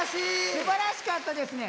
すばらしかったですね。